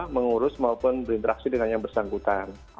mengurus maupun berinteraksi dengan yang bersangkutan